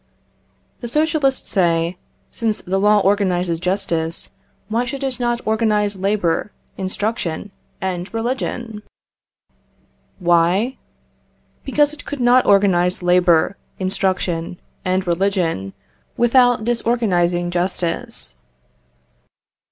The Socialists say, since the law organises justice, why should it not organise labour, instruction, and religion? Why? Because it could not organise labour, instruction, and religion, without disorganising justice.